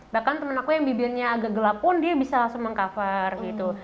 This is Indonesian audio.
bahkan temen aku yang bibirnya agak gelap pun dia bisa langsung meng cover gitu